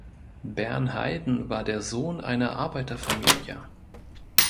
Bernheiden war der Sohn einer Arbeiterfamilie.